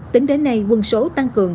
tính đến nay quân số tăng cường